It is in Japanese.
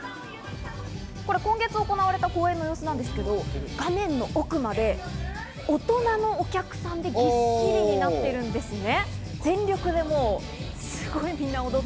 今月行われた公演の様子なんですけど、画面の奥まで大人のお客さんがぎっしりになってるんですね。